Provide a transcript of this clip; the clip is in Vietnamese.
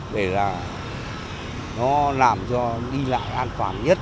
để là nó làm cho đi lại an toàn nhất